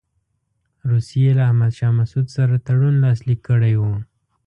روسیې له احمدشاه مسعود سره تړون لاسلیک کړی وو.